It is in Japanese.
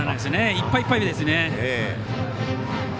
いっぱいいっぱいで。